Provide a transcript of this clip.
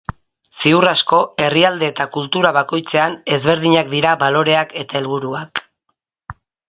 Ziur asko, herrialde eta kultura bakoitzean ezberdinak dira baloreak eta helburuak.